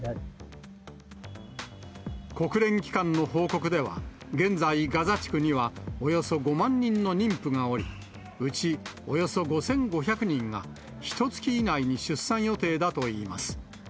国連機関の報告では、現在、ガザ地区にはおよそ５万人の妊婦がおり、うちおよそ５５００人が、ひとつき以内に出産予定だといいます。